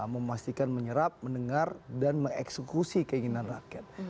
memastikan menyerap mendengar dan mengeksekusi keinginan rakyat